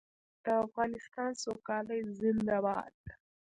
د افغانستان سوکالي زنده باد.